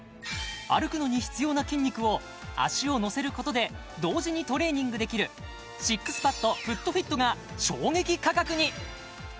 歩くのに必要な筋肉を足を乗せることで同時にトレーニングできるＳＩＸＰＡＤＦｏｏｔＦｉｔが衝撃価格に！